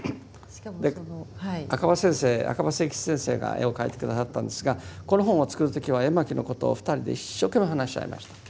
赤羽先生赤羽末吉先生が絵を描いて下さったんですがこの本を作る時は絵巻のことを２人で一生懸命話し合いました。